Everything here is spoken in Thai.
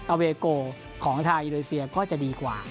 เอาเวโกของทางยุโดยเซียก็จะดีกว่า